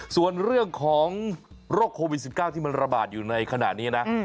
ส่วนเรื่องของโรคโควิด๑๙ที่มันระบาดอยู่ในขณะนี้นะ